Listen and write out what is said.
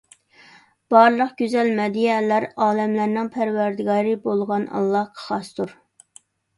بارلىق گۈزەل مەدھىيەلەر ئالەملەرنىڭ پەرۋەردىگارى بولغان ئاللاھقا خاستۇر.